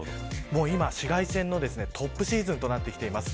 今、紫外線のトップシーズンとなってきています。